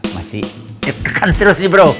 masih di tekan terus nih bro